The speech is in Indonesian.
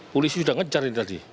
polisi sudah ngejar ini tadi